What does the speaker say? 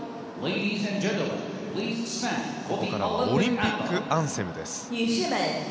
ここからはオリンピックアンセムです。